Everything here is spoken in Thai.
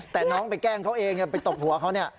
แต่น้องไปแกล้งเขาเองไปตบหัวเขาเนี่ย